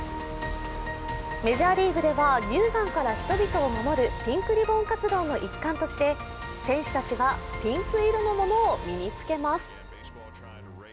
メジャーリーグでは乳がんから人々を守るピンクリボン活動の一環として選手たちはピンク色のものを身に着けます。